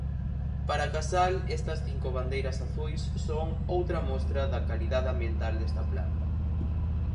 Para Casal, estas cinco bandeiras azuis son "outra mostra da calidade ambiental desta planta".